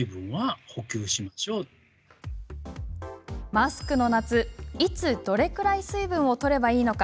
マスクの夏、いつ、どれくらい水分をとればいいのか